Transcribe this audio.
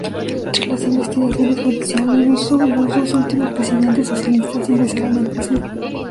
Tras las investigaciones judiciales los dos últimos presidentes socialistas ingresaron en prisión.